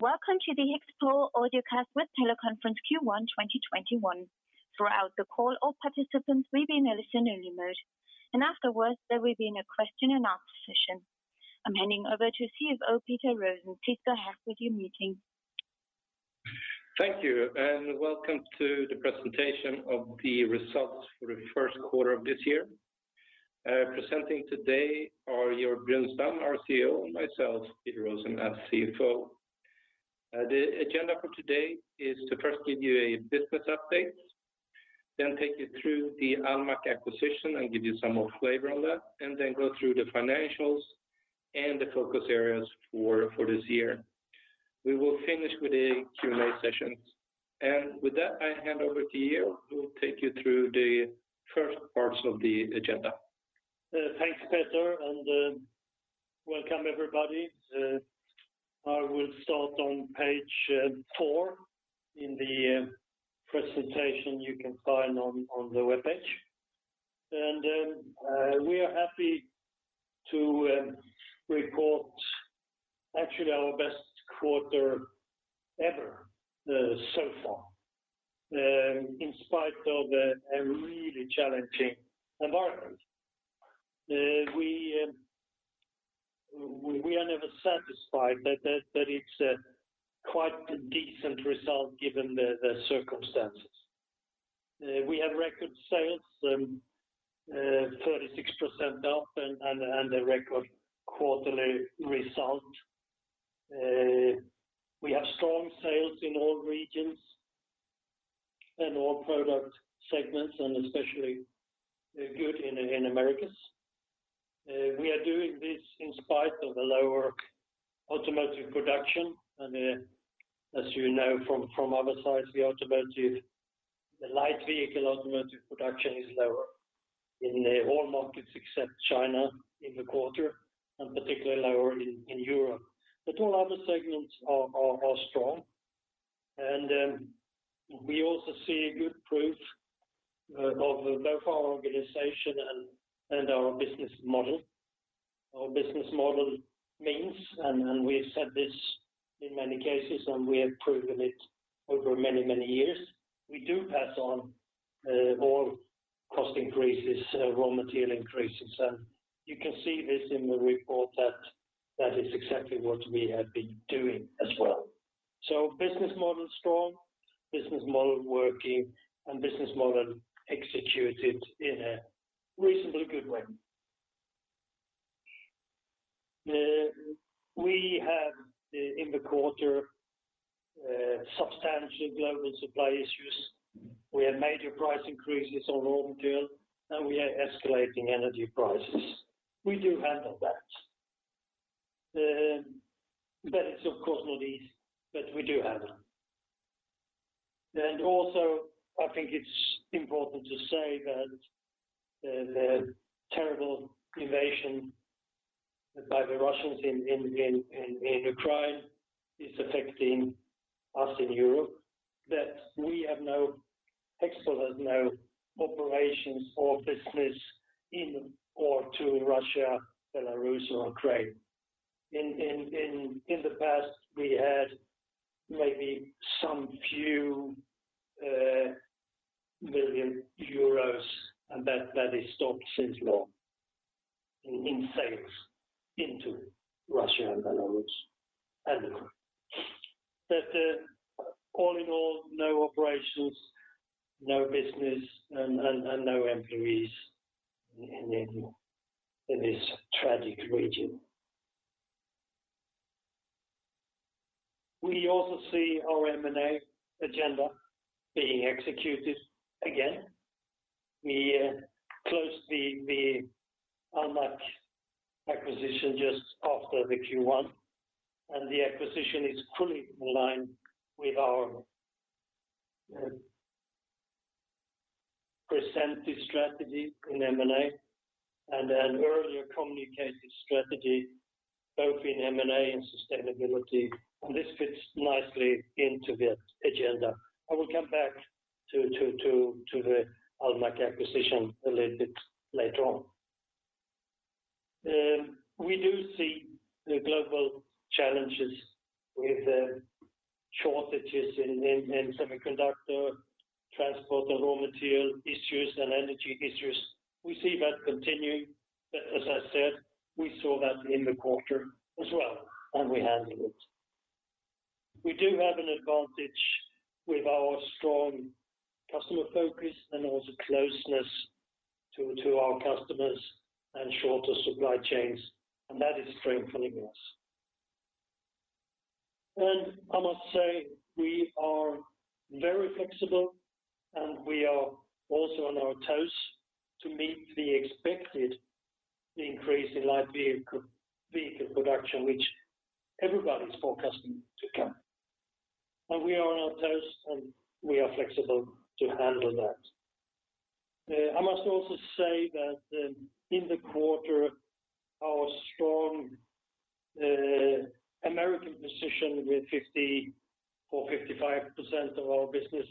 Welcome to the HEXPOL Audiocast with Teleconference Q1 2021. Throughout the call, all participants will be in a listen-only mode, and afterwards there will be a question and answer session. I'm handing over to CFO Peter Rosén. Please go ahead with your meeting. Thank you, and welcome to the presentation of the results for the first quarter of this year. Presenting today are Georg Brunstam, our CEO, and myself, Peter Rosén as CFO. The agenda for today is to first give you a business update, then take you through the Almaak acquisition and give you some more flavor on that, and then go through the financials and the focus areas for this year. We will finish with a Q&A session. With that, I hand over to Georg, who will take you through the first parts of the agenda. Thanks, Peter, and welcome everybody. I will start on page four in the presentation you can find on the webpage. We are happy to report actually our best quarter ever so far in spite of a really challenging environment. We are never satisfied, but it's a quite decent result given the circumstances. We have record sales 36% up and a record quarterly result. We have strong sales in all regions and all product segments, and especially good in Americas. We are doing this in spite of the lower automotive production. As you know from other sides, the light vehicle automotive production is lower in all markets except China in the quarter, and particularly lower in Europe. All other segments are strong. We also see a good proof of both our organization and our business model. Our business model means, and we've said this in many cases, and we have proven it over many years. We do pass on all cost increases, raw material increases, and you can see this in the report that is exactly what we have been doing as well. Business model strong, business model working, and business model executed in a reasonably good way. We have in the quarter substantial global supply issues. We have major price increases on raw material, and we are escalating energy prices. We do handle that. It's of course not easy, but we do handle. I think it's important to say that the terrible invasion by the Russians in Ukraine is affecting us in Europe, that HEXPOL has no operations or business in or to Russia, Belarus, or Ukraine. In the past, we had maybe some few million euros, and that has stopped since long in sales into Russia and Belarus and Ukraine. All in all, no operations, no business, and no employees in this tragic region. We also see our M&A agenda being executed again. We closed the Almaak acquisition just after the Q1, and the acquisition is fully aligned with our presented strategy in M&A and an earlier communicated strategy both in M&A and sustainability, and this fits nicely into the agenda. I will come back to the Almaak acquisition a little bit later on. We do see the global challenges with shortages in semiconductor, transport and raw material issues, and energy issues. We see that continuing, but as I said, we saw that in the quarter as well, and we handle it. We do have an advantage with our strong customer focus and also closeness to our customers and shorter supply chains, and that is strengthening us. I must say we are very flexible, and we are also on our toes to meet the expected increase in light vehicle production, which everybody's forecasting to come. We are on our toes, and we are flexible to handle that. I must also say that, in the quarter, our strong American position with 50 or 55% of our business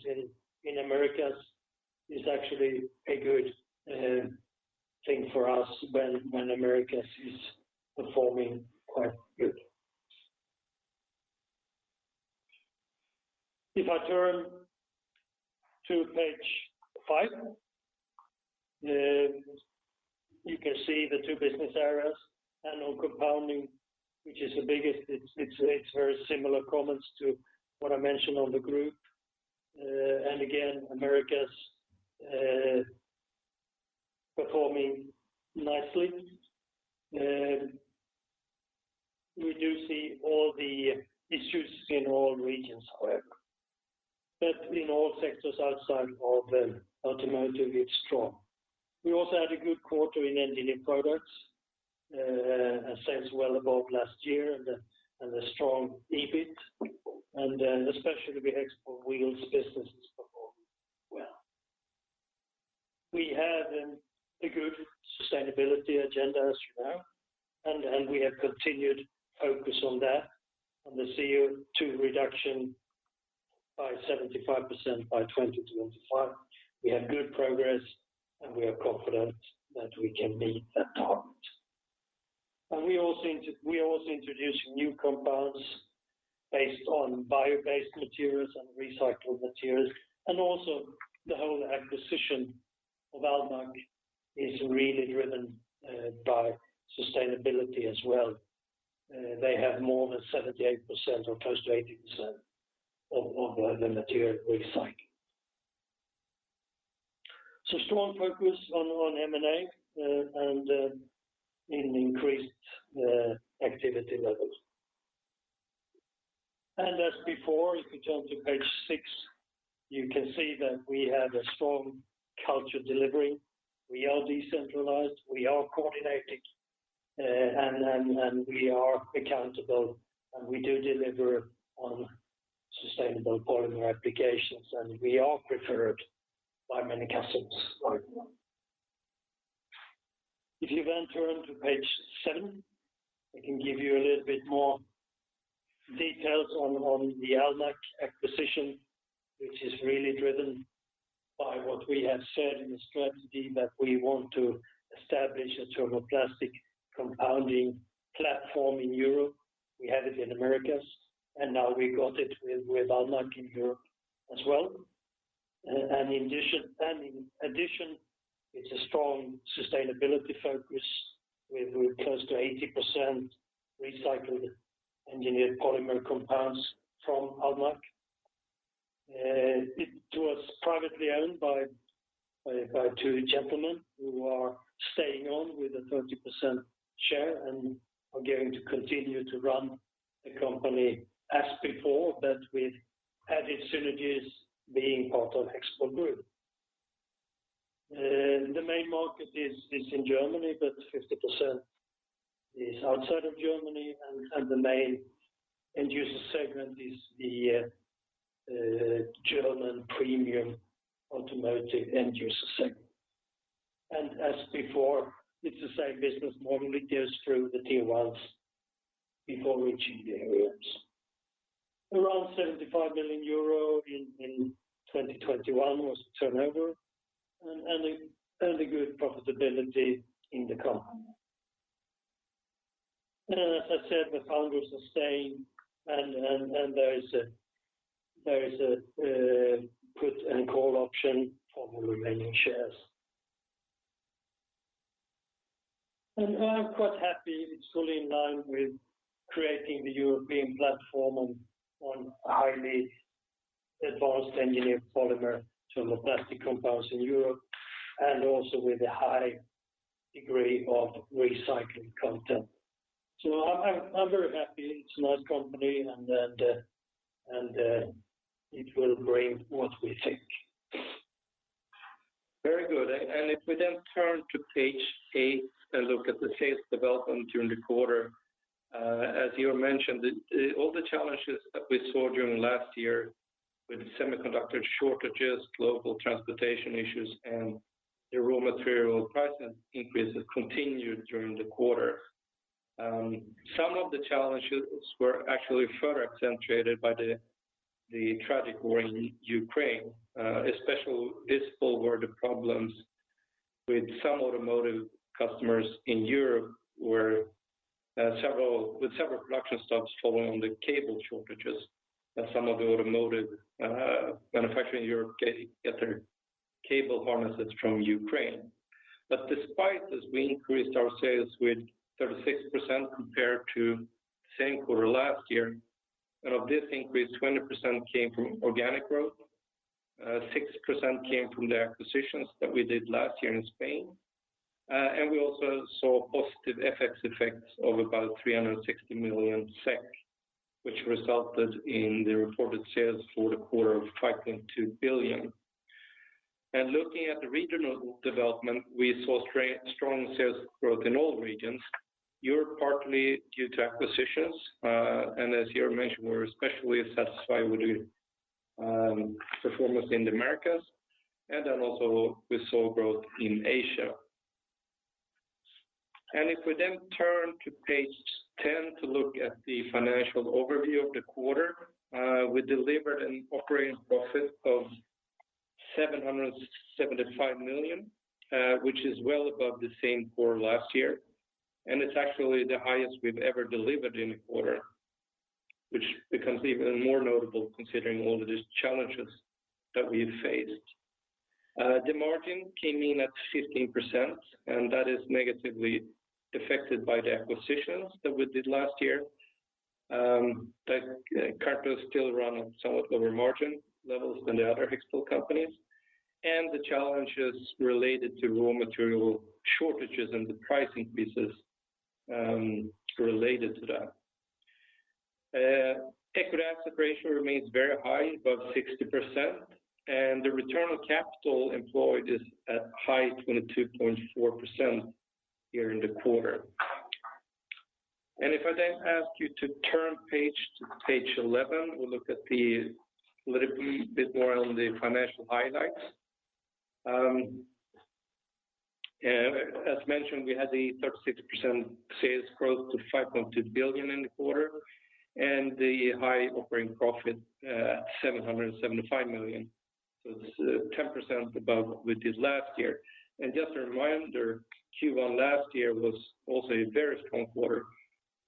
in Americas is actually a good thing for us when Americas is performing quite good. If I turn to page 5, then you can see the two business areas, and on Compounding, which is the biggest, it's very similar comments to what I mentioned on the group. Again, Americas performing nicely. We do see all the issues in all regions however. In all sectors outside of automotive, it's strong. We also had a good quarter in Engineered Products, sales well above last year and a strong EBIT. Especially the HEXPOL Wheels business is performing well. We have a good sustainability agenda, as you know, and we have continued focus on that, on the CO2 reduction by 75% by 2025. We have good progress, and we are confident that we can meet that target. We are also introducing new compounds based on bio-based materials and recycled materials. The whole acquisition of Almaak is really driven by sustainability as well. They have more than 78% or close to 80% of the material recycled. Strong focus on M&A and increased activity levels. As before, if you turn to page six, you can see that we have a strong culture delivery. We are decentralized, we are coordinated, and we are accountable, and we do deliver on sustainable polymer applications, and we are preferred by many customers right now. If you then turn to page seven, I can give you a little bit more details on the Almaak acquisition, which is really driven by what we have said in the strategy that we want to establish a thermoplastic compounding platform in Europe. We have it in Americas, and now we got it with Almaak in Europe as well. In addition, it's a strong sustainability focus with close to 80% recycled engineered polymer compounds from Almaak. It was privately owned by two gentlemen who are staying on with a 30% share and are going to continue to run the company as before, but with added synergies being part of HEXPOL Group. The main market is in Germany, but 50% is outside of Germany and the main end user segment is the German premium automotive end user segment. As before, it's the same business model, it goes through the tier ones before reaching the OEMs. Around 75 million euro in 2021 was the turnover and a good profitability in the company. As I said, the founders are staying and there is a put and call option for the remaining shares. I'm quite happy it's fully in line with creating the European platform on highly advanced engineered polymer thermoplastic compounds in Europe and also with a high degree of recycling content. I'm very happy. It's a nice company and it will bring what we think. Very good. If we then turn to page 8 and look at the sales development during the quarter, as Georg mentioned, all the challenges that we saw during last year with the semiconductor shortages, global transportation issues, and the raw material pricing increases continued during the quarter. Some of the challenges were actually further accentuated by the tragic war in Ukraine, especially visible were the problems with some automotive customers in Europe where several production stops following the cable shortages that some of the automotive manufacturers in Europe get their cable harnesses from Ukraine. Despite this, we increased our sales with 36% compared to same quarter last year. Of this increase, 20% came from organic growth, 6% came from the acquisitions that we did last year in Spain, and we also saw positive FX effects of about 360 million SEK, which resulted in the reported sales for the quarter of 5.2 billion. Looking at the regional development, we saw strong sales growth in all regions, Europe partly due to acquisitions, and as Georg mentioned, we're especially satisfied with the performance in the Americas, and then also we saw growth in Asia. If we then turn to page 10 to look at the financial overview of the quarter, we delivered an operating profit of 775 million, which is well above the same quarter last year. It's actually the highest we've ever delivered in a quarter, which becomes even more notable considering all of these challenges that we've faced. The margin came in at 15%, and that is negatively affected by the acquisitions that we did last year. That uncertain still run on somewhat lower margin levels than the other HEXPOL companies, and the challenges related to raw material shortages and the price increases related to that. Equity asset ratio remains very high, above 60%, and the return on capital employed is at high 22.4% here in the quarter. If I then ask you to turn to page 11, we'll look at a little bit more on the financial highlights. As mentioned, we had 36% sales growth to 5.2 billion in the quarter and the high operating profit, 775 million. This is 10% above what we did last year. Just a reminder, Q1 last year was also a very strong quarter.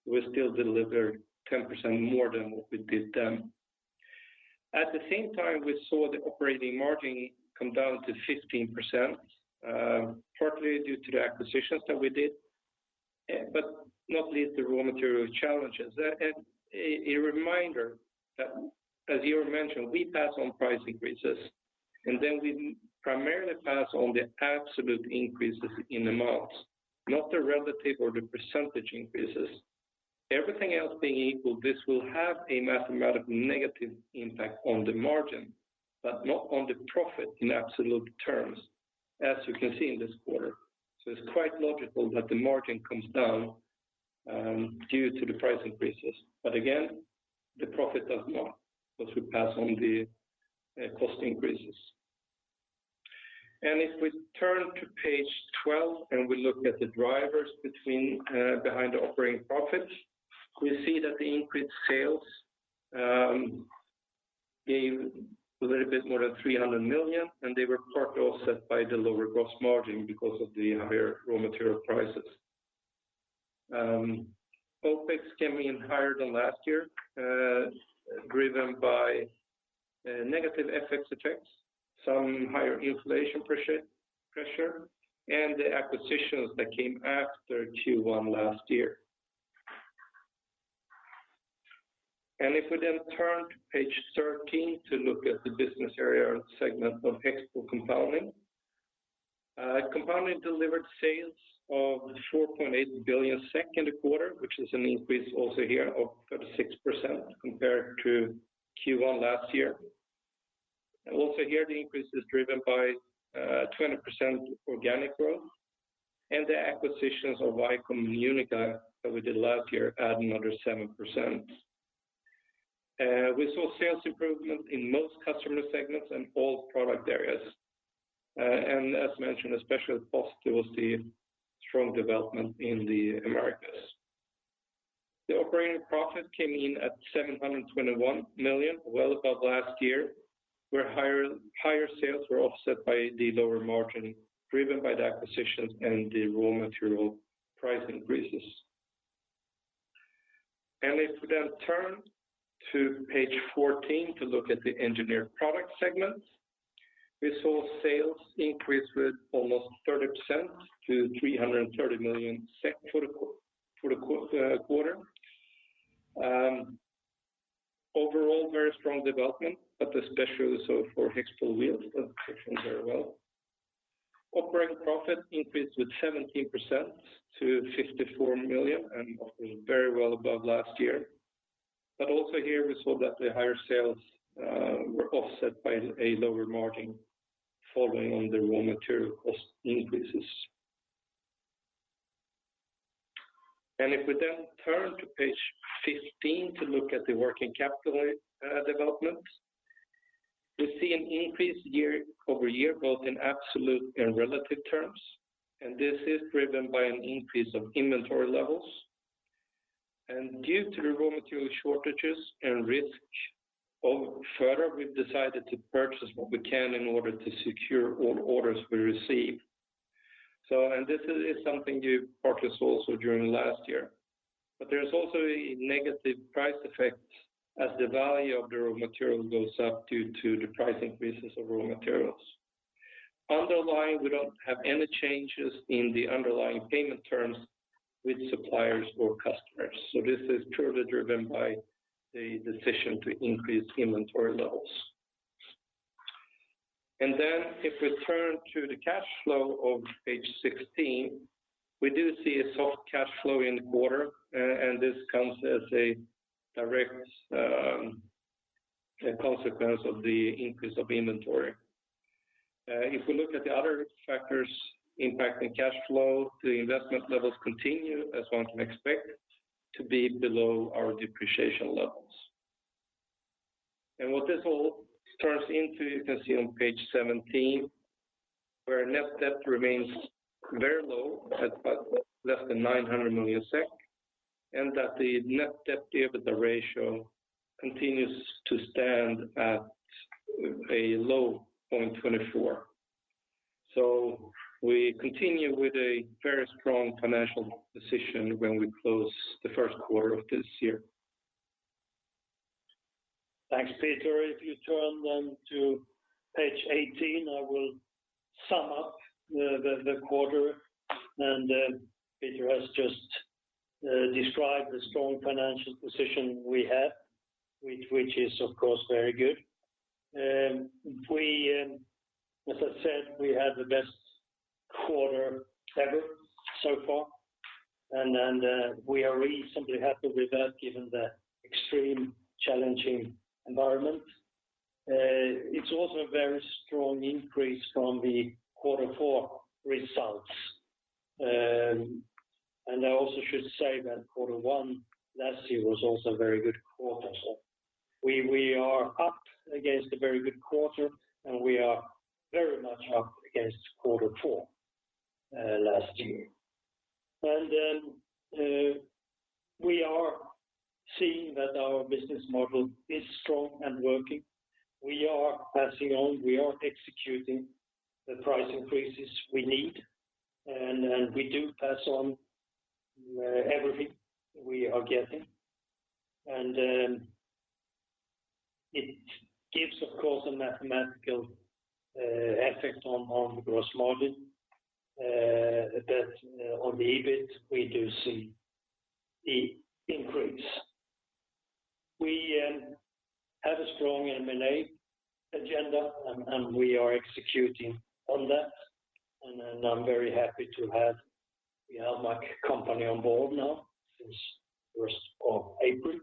We still delivered 10% more than what we did then. At the same time, we saw the operating margin come down to 15%, partly due to the acquisitions that we did, but not least the raw material challenges. A reminder that as Georg mentioned, we pass on price increases, and then we primarily pass on the absolute increases in amounts, not the relative or the percentage increases. Everything else being equal, this will have a mathematically negative impact on the margin, but not on the profit in absolute terms, as you can see in this quarter. It's quite logical that the margin comes down due to the price increases. Again, the profit does not as we pass on the cost increases. If we turn to page 12 and we look at the drivers behind the operating profits, we see that the increased sales gave a little bit more than 300 million, and they were partly offset by the lower gross margin because of the higher raw material prices. OpEx came in higher than last year, driven by negative FX effects, some higher inflation pressure, and the acquisitions that came after Q1 last year. If we then turn to page 13 to look at the business area or segment of HEXPOL Compounding. Compounding delivered sales of 4.8 billion SEK in the second quarter, which is an increase also here of 36% compared to Q1 last year. Also here, the increase is driven by 20% organic growth and the acquisitions of VICOM and Unica that we did last year add another 7%. We saw sales improvement in most customer segments and all product areas. And as mentioned, especially positive was the strong development in the Americas. The operating profit came in at 721 million, well above last year, where higher sales were offset by the lower margin driven by the acquisitions and the raw material price increases. If we then turn to page 14 to look at the Engineered Products segment, we saw sales increase with almost 30% to 330 million SEK for the quarter. Overall, very strong development, but especially so for HEXPOL Wheels that performed very well. Operating profit increased with 17% to 54 million SEK and operating very well above last year. Also here, we saw that the higher sales were offset by a lower margin following on the raw material cost increases. If we then turn to page 15 to look at the working capital development, we see an increase year-over-year, both in absolute and relative terms. This is driven by an increase of inventory levels. Due to the raw material shortages and risk of further, we've decided to purchase what we can in order to secure all orders we receive. This is something we purchased also during last year. There is also a negative price effect as the value of the raw material goes up due to the price increases of raw materials. Underlying, we don't have any changes in the underlying payment terms with suppliers or customers. This is purely driven by the decision to increase inventory levels. If we turn to the cash flow of page 16, we do see a softer cash flow in the quarter, and this comes as a direct consequence of the increase of inventory. If we look at the other factors impacting cash flow, the investment levels continue, as one can expect, to be below our depreciation levels. What this all turns into, you can see on page 17, where net debt remains very low at less than 900 million SEK, and that the net debt to EBITDA ratio continues to stand at a low 0.24. We continue with a very strong financial position when we close the first quarter of this year. Thanks, Peter. If you turn to page 18, I will sum up the quarter and Peter has just described the strong financial position we have, which is of course very good. As I said, we had the best quarter ever so far. We are really simply happy with that given the extreme challenging environment. It's also a very strong increase from the quarter four results. I also should say that quarter one last year was also a very good quarter. We are up against a very good quarter, and we are very much up against quarter four last year. We are seeing that our business model is strong and working. We are passing on, we are executing the price increases we need. We do pass on everything we are getting. It gives of course a mathematical effect on gross margin that on the EBIT we do see increase. We have a strong M&A agenda and we are executing on that. I'm very happy to have the Almaak company on board now since first of April.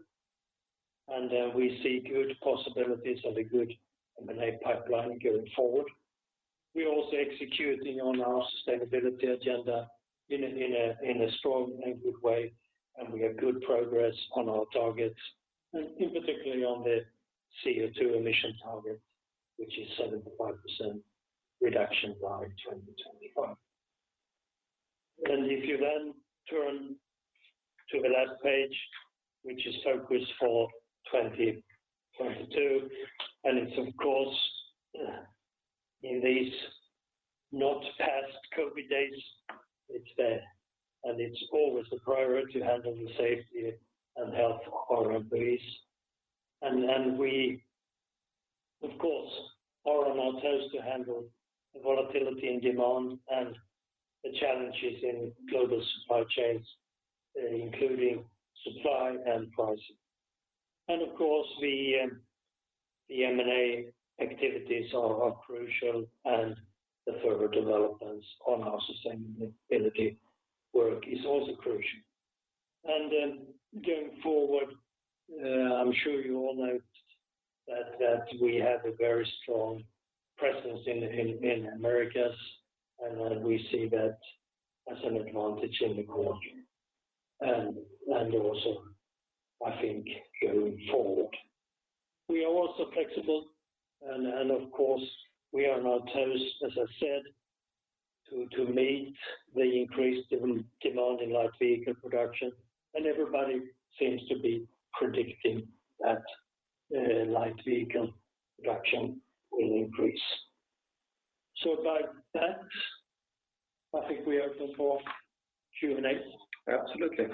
We see good possibilities and a good M&A pipeline going forward. We're also executing on our sustainability agenda in a strong and good way, and we have good progress on our targets, and in particular on the CO2 emission target, which is 75% reduction by 2025. If you then turn to the last page, which is focus for 2022, and it's of course in these post-COVID days, it's there. It's always a priority to handle the safety and health of our employees. We of course are on our toes to handle the volatility in demand and the challenges in global supply chains, including supply and pricing. Of course the M&A activities are crucial and the further developments on our sustainability work is also crucial. Going forward, I'm sure you all note that we have a very strong presence in Americas, and we see that as an advantage in the quarter, and also I think going forward. We are also flexible and of course we are on our toes, as I said, to meet the increased demand in light vehicle production. Everybody seems to be predicting that light vehicle production will increase. With that, I think we are open for Q&A. Absolutely.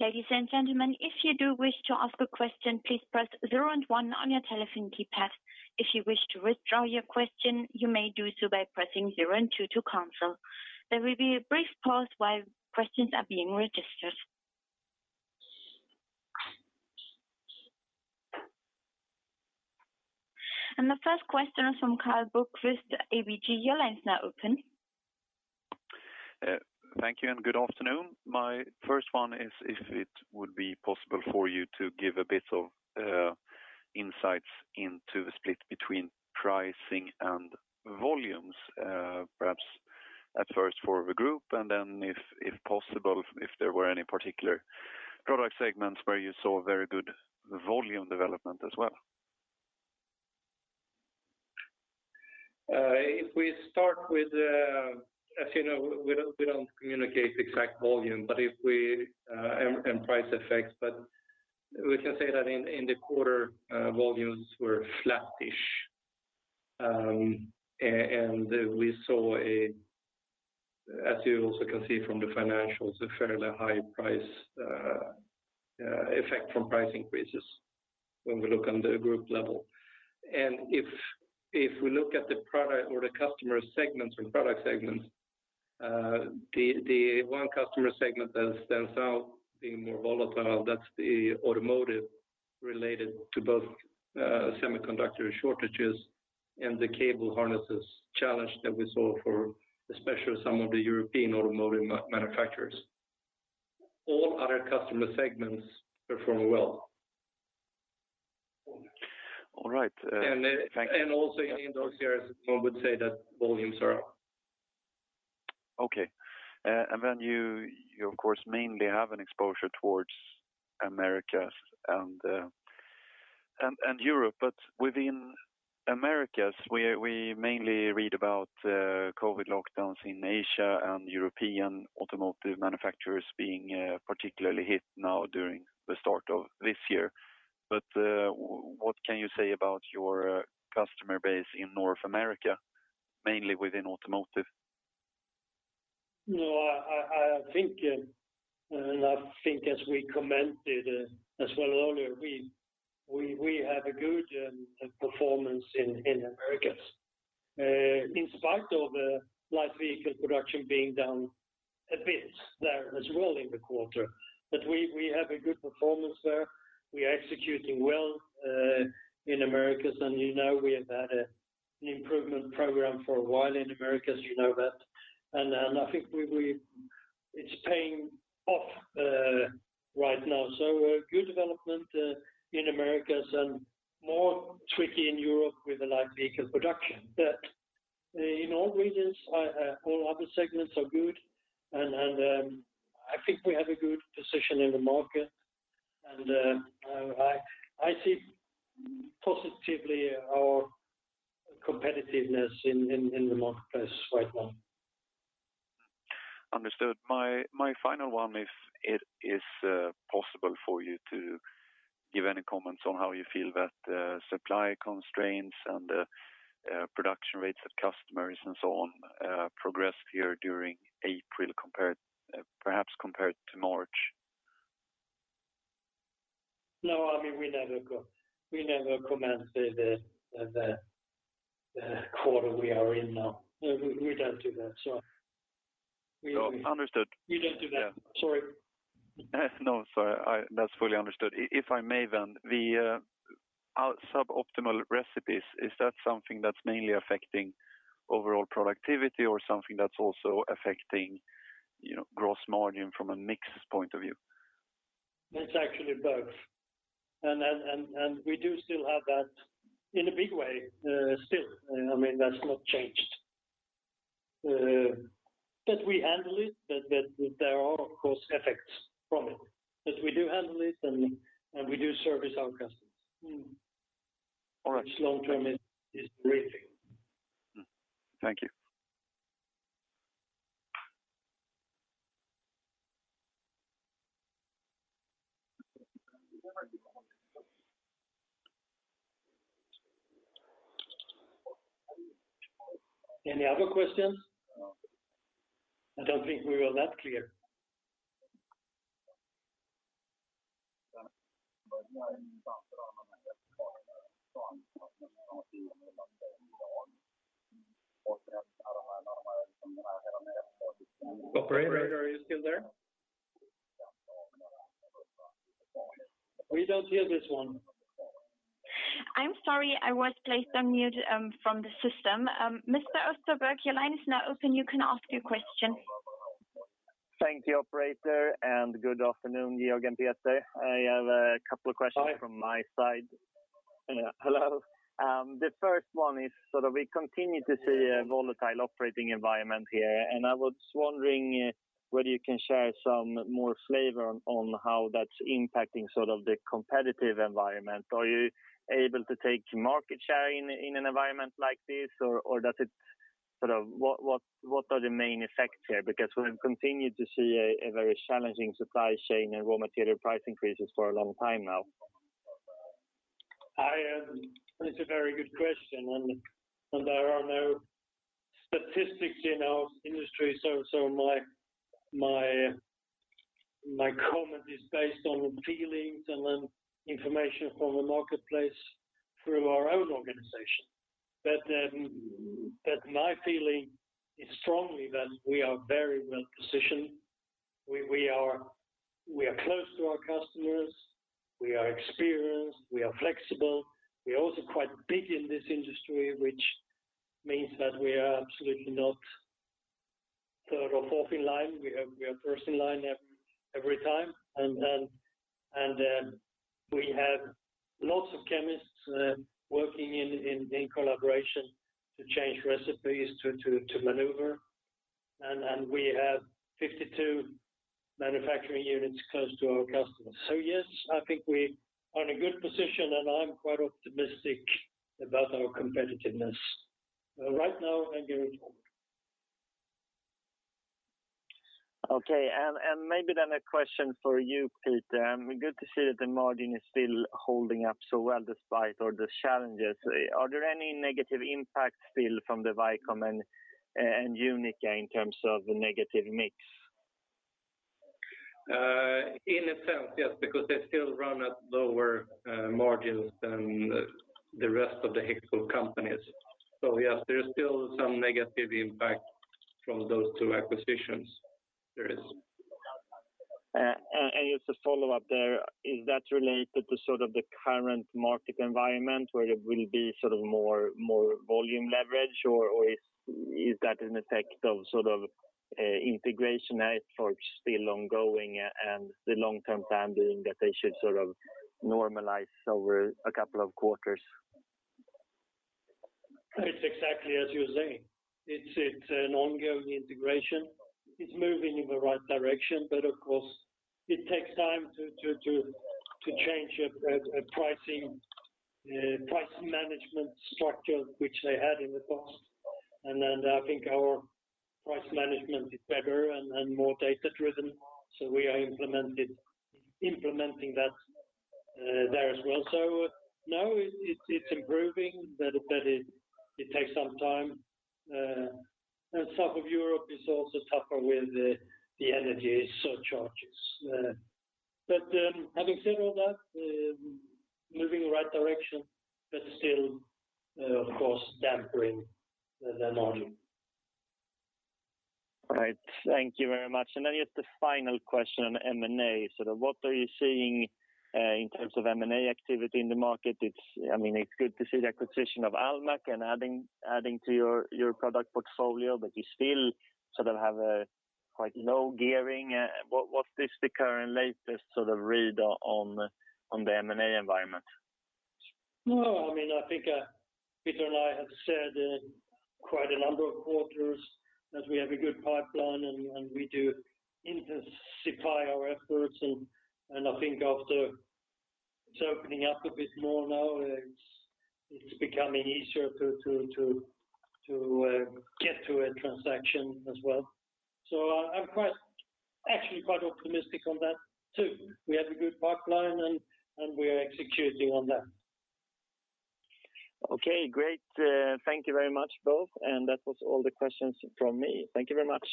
Ladies and gentlemen, if you do wish to ask a question, please press zero and one on your telephone keypad. If you wish to withdraw your question, you may do so by pressing zero and two to cancel. There will be a brief pause while questions are being registered. The first question is from Carl Broquist, ABG. Your line's now open. Thank you and good afternoon. My first one is if it would be possible for you to give a bit of insights into the split between pricing and volumes, perhaps at first for the group, and then, if possible, if there were any particular product segments where you saw very good volume development as well? If we start with, as you know, we don't communicate exact volume, but we can say that in the quarter, volumes were flattish. We saw, as you also can see from the financials, a fairly high price effect from price increases when we look on the group level. If we look at the product or the customer segments or product segments, the one customer segment that stands out being more volatile, that's the automotive related to both semiconductor shortages and the cable harnesses challenge that we saw for especially some of the European automotive manufacturers. All other customer segments perform well. All right. in those areas, one would say that volumes are up. Okay. You of course mainly have an exposure towards Americas and Europe. Within Americas, we mainly read about COVID lockdowns in Asia and European automotive manufacturers being particularly hit now during the start of this year. What can you say about your customer base in North America, mainly within automotive? No, I think, and I think as we commented as well earlier, we have a good performance in Americas in spite of light vehicle production being down a bit there as well in the quarter. We have a good performance there. We are executing well in Americas, and you know we have had an improvement program for a while in Americas, you know that. I think it's paying off right now. A good development in Americas and more tricky in Europe with the light vehicle production. In all regions, all other segments are good and I think we have a good position in the market. I see positively our competitiveness in the marketplace right now. Understood. My final one, if it is possible for you to give any comments on how you feel that supply constraints and production rates of customers and so on progressed here during April compared, perhaps to March? No, I mean, we never comment on the quarter we are in now. We don't do that. No. Understood. We don't do that. Sorry. No, sorry. That's fully understood. If I may, sub-optimal recipes, is that something that's mainly affecting overall productivity or something that's also affecting, you know, gross margin from a mix point of view? It's actually both. We do still have that in a big way, still. I mean, that's not changed. But we handle it, but there are of course effects from it. We do handle it and we do service our customers. All right. Which long-term is great. Thank you. Any other questions? I don't think we were that clear. Operator, are you still there? We don't hear this one. I'm sorry. I was placed on mute from the system. Mr. Österberg, your line is now open. You can ask your question. Thank you, operator, and good afternoon, Georg and Peter. I have a couple of questions from my side. Hi. Yeah, hello. The first one is sort of we continue to see a volatile operating environment here, and I was wondering whether you can share some more flavor on how that's impacting sort of the competitive environment. Are you able to take market share in an environment like this or does it sort of what are the main effects here? Because we've continued to see a very challenging supply chain and raw material price increases for a long time now. That's a very good question. There are no statistics in our industry, so my comment is based on feelings and then information from the marketplace through our own organization. My feeling is strongly that we are very well positioned. We are close to our customers. We are experienced. We are flexible. We are also quite big in this industry, which means that we are absolutely not third or fourth in line. We are first in line every time. We have lots of chemists working in collaboration to change recipes to maneuver. We have 52 manufacturing units close to our customers. Yes, I think we are in a good position, and I'm quite optimistic about our competitiveness right now and going forward. Maybe a question for you, Peter Rosén. Good to see that the margin is still holding up so well despite all the challenges. Are there any negative impacts still from the VICOM and Unica in terms of the negative mix? In a sense, yes, because they still run at lower margins than the rest of the HEXPOL companies. Yes, there is still some negative impact from those two acquisitions. There is. Just a follow-up there. Is that related to sort of the current market environment where there will be sort of more volume leverage, or is that an effect of sort of integration efforts still ongoing and the long-term plan being that they should sort of normalize over a couple of quarters? It's exactly as you're saying. It's an ongoing integration. It's moving in the right direction, but of course, it takes time to change a price management structure which they had in the past. I think our price management is better and more data-driven, so we are implementing that there as well. Now it's improving, but it takes some time. South of Europe is also tougher with the energy surcharges. Having said all that, moving in the right direction, but still, of course, dampening the margin. All right. Thank you very much. Then just a final question on M&A. What are you seeing in terms of M&A activity in the market? It's, I mean, it's good to see the acquisition of Almaak and adding to your product portfolio, but you still sort of have a quite low gearing. What is the current latest sort of read on the M&A environment? No, I mean, I think Peter and I have said quite a number of quarters that we have a good pipeline and we do intensify our efforts. I think after it's opening up a bit more now, it's becoming easier to get to a transaction as well. I'm actually quite optimistic on that too. We have a good pipeline and we are executing on that. Okay, great. Thank you very much both. That was all the questions from me. Thank you very much.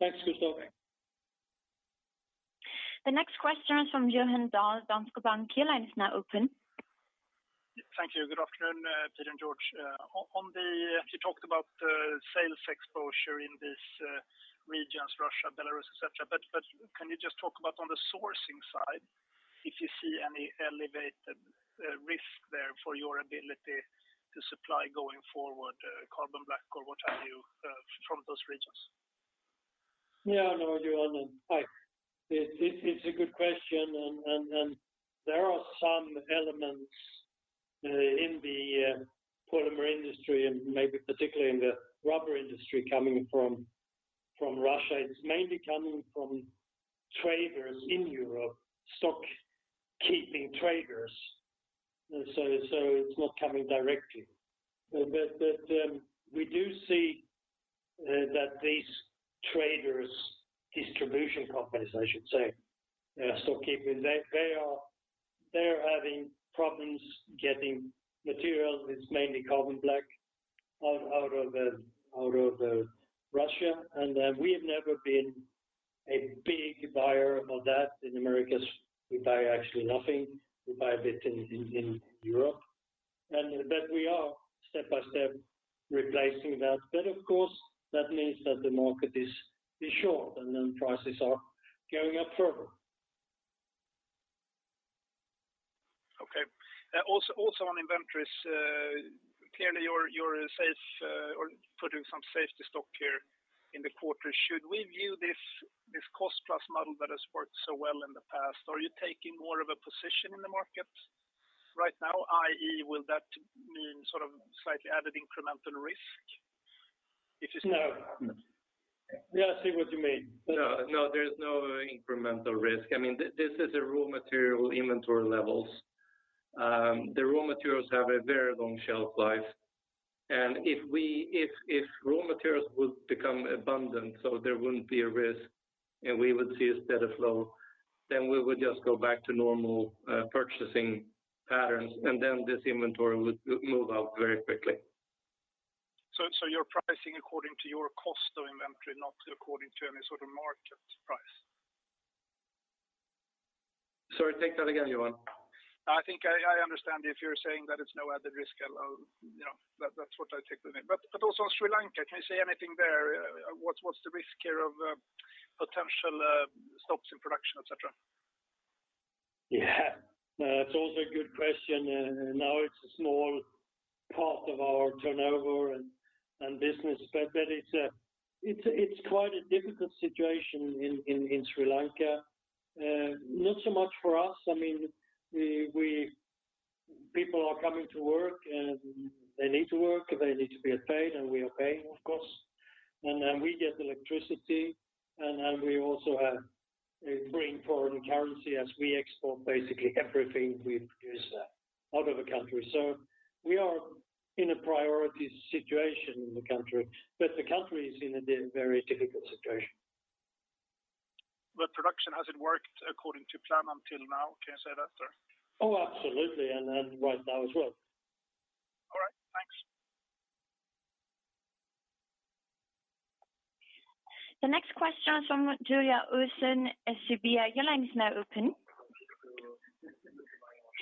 Thanks, Christoph. The next question is from Johan Dahl, Danske Bank. Your line is now open. Thank you. Good afternoon, Peter and Georg. You talked about sales exposure in these regions, Russia, Belarus, et cetera. Can you just talk about on the sourcing side, if you see any elevated risk there for your ability to supply going forward, carbon black or what have you, from those regions? Yeah. No, Johan. Hi. It's a good question. There are some elements in the polymer industry and maybe particularly in the rubber industry coming from Russia. It's mainly coming from traders in Europe, stock keeping traders. So it's not coming directly. We do see that these traders, distribution companies, I should say, stock keeping, they're having problems getting materials. It's mainly carbon black out of Russia. We have never been a big buyer of that. In Americas, we buy actually nothing. We buy a bit in Europe. We are step by step replacing that. Of course, that means that the market is short and then prices are going up further. Okay. Also on inventories, clearly you're putting some safety stock here in the quarter. Should we view this cost-plus model that has worked so well in the past? Are you taking more of a position in the market right now? I.e., will that mean sort of slightly added incremental risk if you see- No. Yeah, I see what you mean. No, no, there's no incremental risk. I mean, this is a raw material inventory levels. The raw materials have a very long shelf life. If raw materials would become abundant, so there wouldn't be a risk and we would see a steady flow, then we would just go back to normal purchasing patterns, and then this inventory would move out very quickly. You're pricing according to your cost of inventory, not according to any sort of market price? Sorry, take that again, Johan. I think I understand if you're saying that it's no added risk. I'll, you know, that's what I take away. Also on Sri Lanka, can you say anything there? What's the risk here of potential stops in production, et cetera? Yeah. It's also a good question. Now it's a small part of our turnover and business. It's quite a difficult situation in Sri Lanka. Not so much for us. I mean, people are coming to work and they need to work, they need to be paid, and we are paying, of course. Then we get electricity, and then we also have to bring foreign currency as we export basically everything we produce out of the country. We are in a priority situation in the country, but the country is in a very difficult situation. Production hasn't worked according to plan until now. Can you say that, sir? Oh, absolutely. Right now as well. All right. Thanks. The next question is from Julia Utbult, SEB. Your line is now open.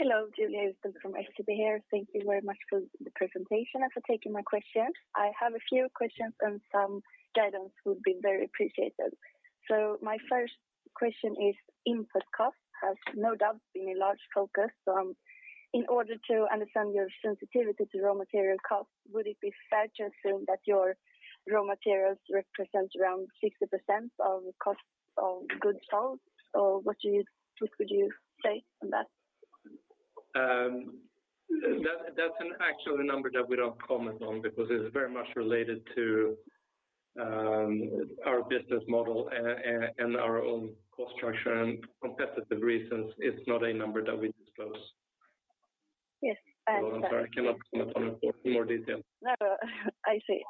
Hello. Julia Utbult from SEB here. Thank you very much for the presentation and for taking my question. I have a few questions and some guidance would be very appreciated. My first question is input costs has no doubt been a large focus. In order to understand your sensitivity to raw material costs, would it be fair to assume that your raw materials represent around 60% of cost of goods sold? Or what would you say on that? That's an actual number that we don't comment on because it's very much related to our business model and our own cost structure and competitive reasons. It's not a number that we disclose. Yes. I'm sorry, I cannot comment on it in more detail. No, I see.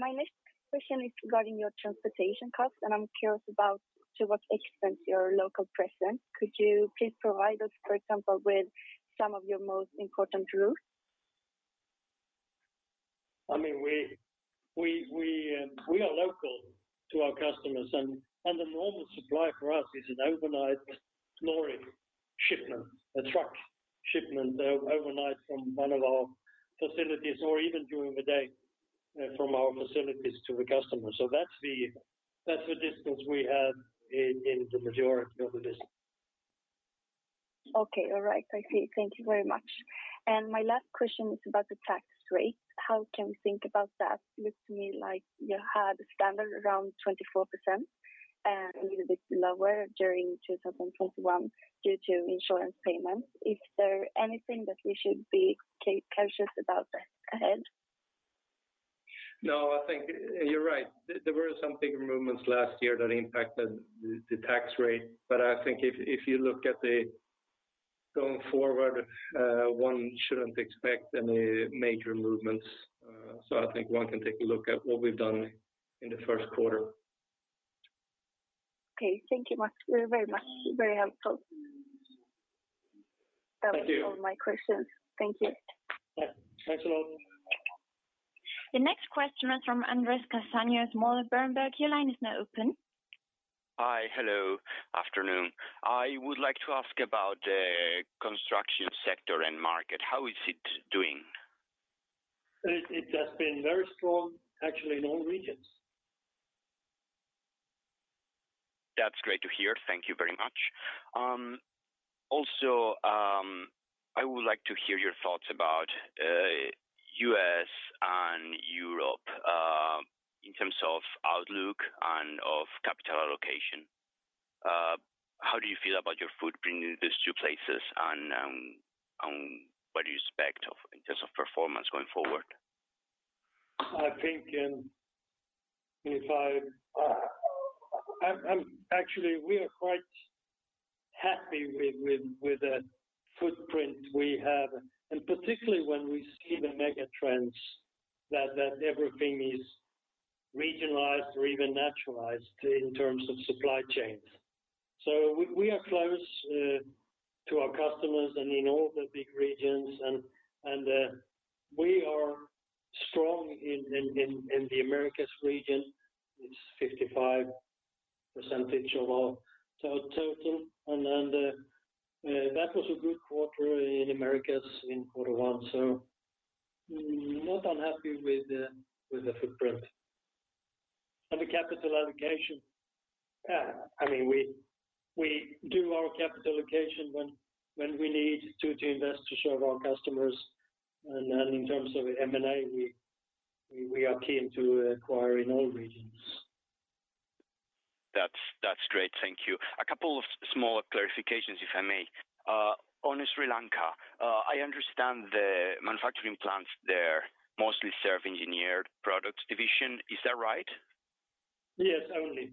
My next question is regarding your transportation costs, and I'm curious about to what extent your local presence. Could you please provide us, for example, with some of your most important routes? I mean, we are local to our customers and the normal supply for us is an overnight lorry shipment, a truck shipment overnight from one of our facilities or even during the day, from our facilities to the customer. That's the distance we have in the majority of the business. Okay. All right. I see. Thank you very much. My last question is about the tax rate. How can we think about that? It looks to me like you had a standard around 24% and a little bit lower during 2021 due to insurance payments. Is there anything that we should be cautious about going ahead? No, I think you're right. There were some bigger movements last year that impacted the tax rate. I think if you look at the going forward, one shouldn't expect any major movements. I think one can take a look at what we've done in the first quarter. Okay. Thank you much. Thank you very much. Very helpful. Thank you. That was all my questions. Thank you. Yeah. Thanks a lot. The next question is from Andres Castanos-Mollor, Berenberg. Your line is now open. Hi. Hello. Afternoon. I would like to ask about the construction sector and market. How is it doing? It has been very strong, actually in all regions. That's great to hear. Thank you very much. Also, I would like to hear your thoughts about U.S., and Europe in terms of outlook and of capital allocation. How do you feel about your footprint in these two places and what do you expect of in terms of performance going forward? Actually, we are quite happy with the footprint we have, and particularly when we see the mega trends that everything is regionalized or even naturalized in terms of supply chains. We are close to our customers and in all the big regions, and we are strong in the Americas region. It's 55% of our total. That was a good quarter in Americas in quarter one, so not unhappy with the footprint. The capital allocation, I mean, we do our capital allocation when we need to invest to serve our customers. In terms of M&A, we are keen to acquire in all regions. That's great. Thank you. A couple of smaller clarifications, if I may. On Sri Lanka, I understand the manufacturing plants there mostly serve Engineered Products division. Is that right? Yes, only.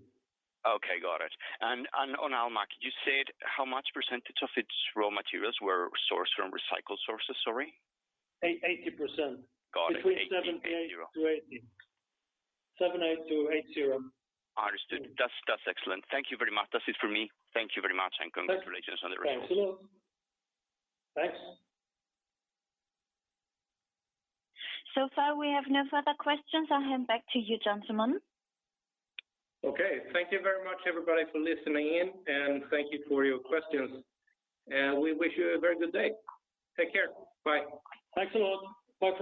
Okay, got it. On Almaak, you said how much percentage of its raw materials were sourced from recycled sources, sorry? 80%. Got it. Between 78-80. Understood. That's excellent. Thank you very much. That's it for me. Thank you very much and congratulations on the results. Thanks a lot. Thanks. So far, we have no further questions. I'll hand back to you, gentlemen. Okay. Thank you very much, everybody, for listening in, and thank you for your questions. We wish you a very good day. Take care. Bye. Thanks a lot. Bye for now.